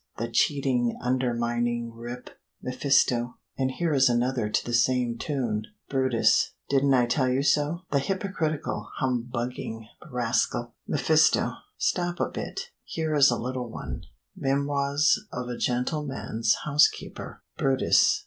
"The cheating, undermining rip." mephisto. "And here is another to the same tune." brutus. "Didn't I tell you so. The hypocritical, humbugging rascal " mephisto. "Stop a bit. Here is a little one: 'Memoirs of a Gentleman's Housekeeper.'" brutus.